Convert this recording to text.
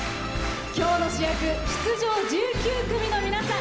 今日の主役出場１９組の皆さん。